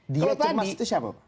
dia cermat itu siapa pak